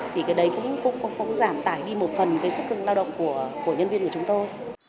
thì cái đấy cũng giảm tải đi một phần cái sức cưng lao động của nhân viên của chúng tôi